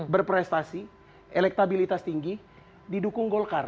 berprestasi elektabilitas tinggi didukung golkar